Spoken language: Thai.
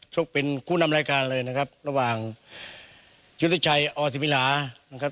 ช่วงเป็นคู่นำรายการระหว่างอยุธิชัยอสิโมีลา